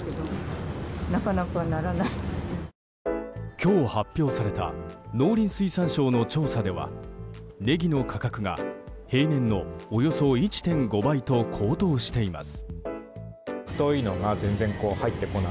今日、発表された農林水産省の調査ではネギの価格が平年のおよそ１．５倍と高騰しています。